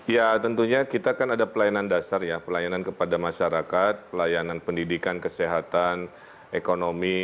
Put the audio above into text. ya tentunya kita kan ada pelayanan dasar ya pelayanan kepada masyarakat pelayanan pendidikan kesehatan ekonomi